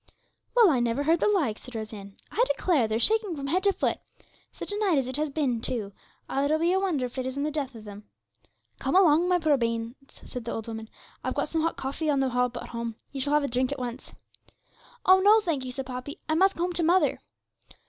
'Well, I never heard the like,' said Rose Ann. 'I declare they're shaking from head to foot. Such a night as it has been, too; it'll be a wonder if it isn't the death of them.' 'Come along, my poor bairns,' said the old woman. 'I've got some hot coffee on the hob at home; you shall have a drink at once.' 'Oh no, thank you,' said Poppy; 'I must go home to mother.'